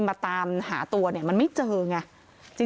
มาตามหาตัวเนี่ยมันไม่เจอไง